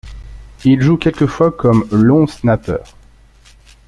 Il joue quelquefois comme long snapper.